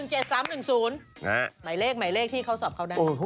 หมายเลขที่เขาสอบเขาได้